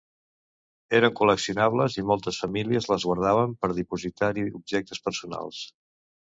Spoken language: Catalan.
Eren col·leccionables i moltes famílies les guardaven per dipositar-hi objectes personals.